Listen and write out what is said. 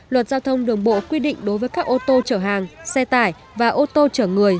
luật giao thông đường bộ quy định đối với các ô tô chở hàng xe tải và ô tô chở người